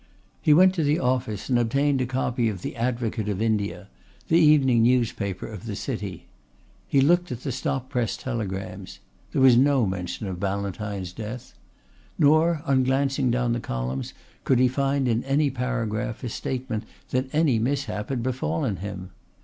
He went to the office and obtained a copy of The Advocate of India, the evening newspaper of the city. He looked at the stop press telegrams. There was no mention of Ballantyne's death. Nor on glancing down the columns could he find in any paragraph a statement that any mishap had befallen him.